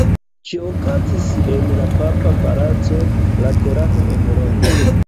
Ĝi okazis en la papa palaco Laterano en Romo.